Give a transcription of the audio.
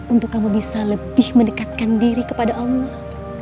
untuk kamu bisa lebih mendekatkan diri kepada allah